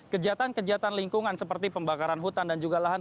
kejahatan kejahatan lingkungan seperti pembakaran hutan dan juga lahan